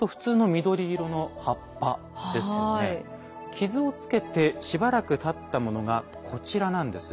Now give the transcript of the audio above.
傷をつけてしばらくたったものがこちらなんです。